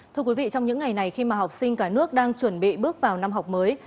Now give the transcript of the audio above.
thưa quý vị trong những ngày này khi mà học sinh cả nước đang chuẩn bị bước vào năm học mới